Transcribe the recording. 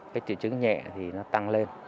cái triệu chứng nhẹ thì nó tăng lên